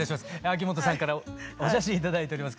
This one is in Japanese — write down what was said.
秋元さんからお写真頂いております。